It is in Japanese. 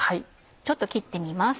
ちょっと切ってみます。